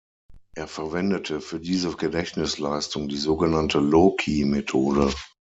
Er verwendete für diese Gedächtnisleistung die sogenannte Loci-Methode.